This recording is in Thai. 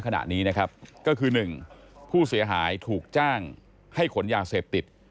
ขณะนี้นะครับก็คือ๑ผู้เสียหายถูกจ้างให้ขนยาเสพติด